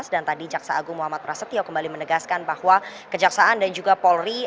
dan tadi jaksa agung muhammad prasetyo kembali menegaskan bahwa kejaksaan dan juga polri